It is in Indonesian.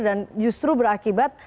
dan justru berakibat